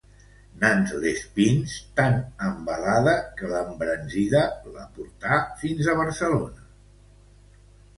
Nans-les-Pins tan embalada que l'embranzida la portà fins a Barcelona.